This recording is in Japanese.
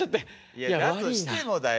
いやだとしてもだよ。